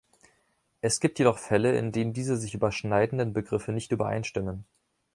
Es gibt jedoch Fälle, in denen diese sich überschneidenden Begriffe nicht übereinstimmen.